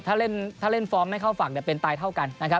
ถ้าเล่นแฟร์มไม่เข้าฝั่งจะเป็นตายเท่ากัน